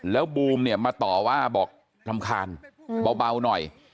แล้วบูมเนี่ยมาต่อว่าบอกรำคาญเบาหน่อย